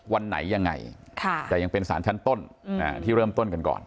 วันไหนยังไงแต่ยังเป็นสารชั้นต้นที่เริ่มต้นกันก่อน